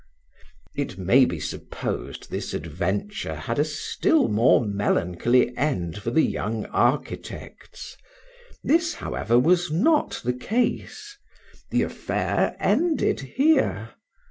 It maybe supposed this adventure had a still more melancholy end for the young architects; this, however, was not the case; the affair ended here.